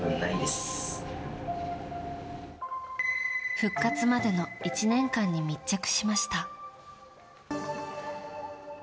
復活までの１年間に密着しました。